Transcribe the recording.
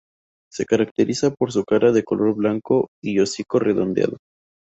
Se caracteriza por su cara de color blanco y hocico redondeado.